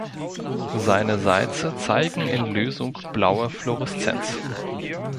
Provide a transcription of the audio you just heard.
Seine Salze zeigen in Lösung blaue Fluoreszenz.